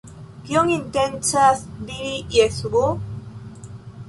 Kion intencas diri Jesuo?